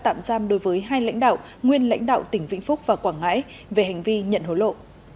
tạm giam đối với hai lãnh đạo nguyên lãnh đạo tỉnh vĩnh phúc và quảng ngãi về hành vi nhận hối lộ